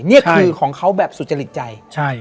นี่คือของเขาแบบสุจริตใจ